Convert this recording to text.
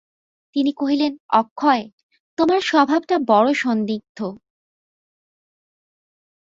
তিনি কহিলেন, অক্ষয়, তোমার স্বভাবটা বড়ো সন্দিগ্ধ।